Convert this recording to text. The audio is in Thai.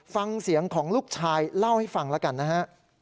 ฟังเสียงของลูกชายเล่าให้ฟังแล้วกันนะฮะ